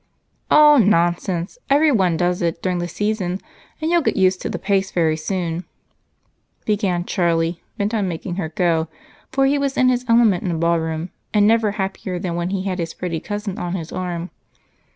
"Oh, nonsense! Everyone does it during the season, and you'll get used to the pace very soon," began Charlie, bent on making her go, for he was in his element in a ballroom and never happier than when he had his pretty cousin on his arm.